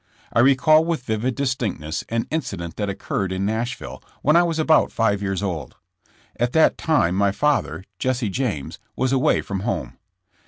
I recall with vivid distinctness an in y cident that occurred in Nashville, when I was about five years old. At that time my father, Jesse James, was away from home.